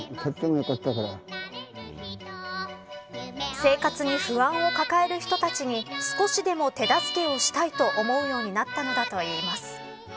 生活に不安を抱える人たちに少しでも手助けをしたいと思うようになったのだといいます。